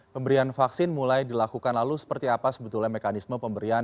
pemberian vaksin mulai dilakukan lalu seperti apa sebetulnya mekanisme pemberian